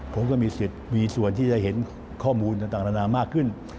ผมก็มีสิทธิ์มีส่วนที่จะเห็นข้อมูลต่างนานามากขึ้น